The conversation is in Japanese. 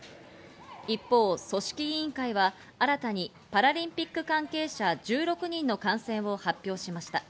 一方、組織委員会は新たにパラリンピック関係者１６人の感染を発表しました。